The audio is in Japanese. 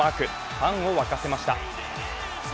ファンを沸かせました。